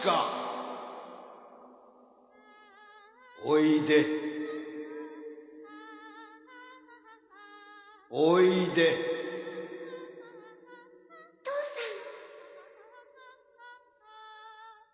おいでおいで父さん！